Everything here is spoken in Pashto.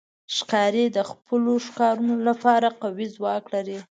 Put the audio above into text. ښکاري د خپلو ښکارونو لپاره قوي ځواک لري.